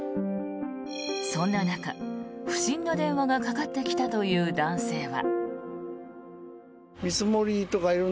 そんな中、不審な電話がかかってきたという男性は。